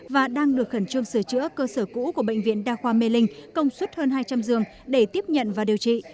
và đang được khẩn trương sửa chữa cơ sở cũ của bệnh viện đa khoa mê linh công suất hơn hai trăm linh giường để tiếp nhận và điều trị